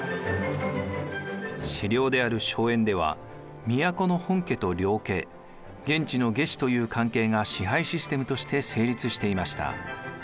私領である荘園では都の本家と領家現地の下司という関係が支配システムとして成立していました。